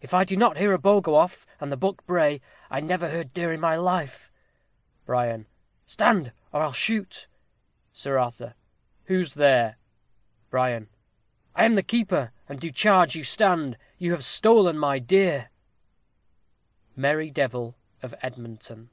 if I do not hear a bow go off, and the buck bray, I never heard deer in my life. Bri. Stand, or I'll shoot. Sir Arthur. Who's there? Bri. I am the keeper, and do charge you stand. You have stolen my deer. _Merry Devil of Edmonton.